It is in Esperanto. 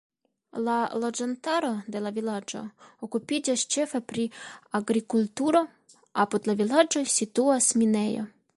La loĝantaro de la vilaĝo okupiĝas ĉefe pri agrikulturo; apud la vilaĝo situas minejo.